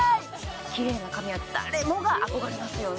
キレイな髪は誰もが憧れますよね